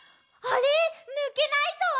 ぬけないぞ！！」